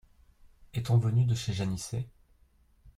Est-on venu de chez Janisset ?